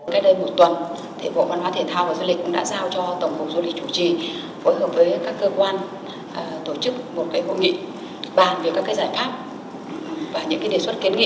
cách đây một tuần bộ văn hóa thể thao và du lịch cũng đã giao cho tổng cục du lịch chủ trì phối hợp với các cơ quan tổ chức một hội nghị bàn về các giải pháp và những đề xuất kiến nghị